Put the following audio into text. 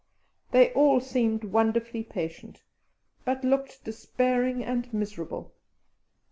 They all seemed wonderfully patient, but looked despairing and miserable.